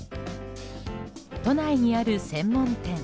都内にある専門店。